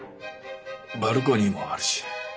バルコニーもあるし。